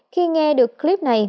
khi nghe được clip này